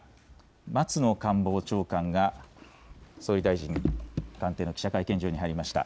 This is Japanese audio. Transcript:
松野官房長官が総理大臣官邸の記者会見場に入りました。